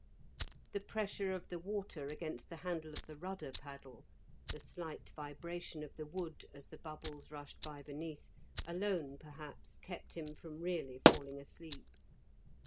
The pressure of the water against the handle of the rudder paddle, the slight vibration of the wood, as the bubbles rushed by beneath, alone perhaps kept him from really falling asleep.